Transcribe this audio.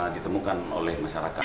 ditemukan oleh masyarakat